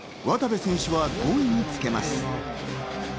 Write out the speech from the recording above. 渡部選手は５位につけます。